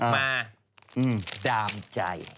มาตามใจ